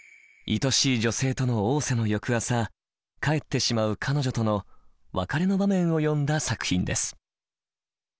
愛しい女性との逢瀬の翌朝帰ってしまう彼女との別れの場面を詠んだ作品です。